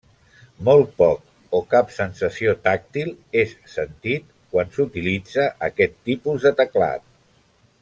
Molt poc o cap sensació tàctil és sentit quan s'utilitza aquest tipus de teclat.